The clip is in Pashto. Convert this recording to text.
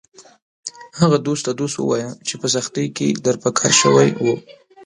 هغه دوست ته دوست ووایه چې په سختۍ کې در په کار شوی و